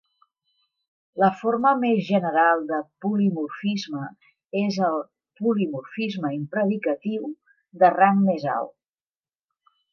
La forma més general de polimorfisme és el "polimorfisme impredicatiu de rang més alt".